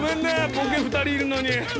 ボケ２人いるのに。